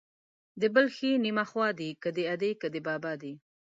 د بل ښې نيمه خوا دي ، که د ادې که د بابا دي.